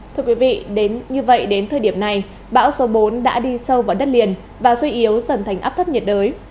thưa quý vị đến như vậy đến thời điểm này bão số bốn đã đi sâu vào đất liền và suy yếu dần thành áp thấp nhiệt đới